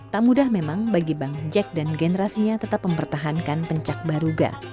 tak mudah memang bagi bang jack dan generasinya tetap mempertahankan pencak baruga